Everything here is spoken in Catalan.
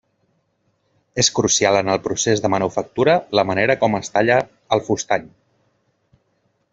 És crucial en el procés de manufactura la manera com es talla el fustany.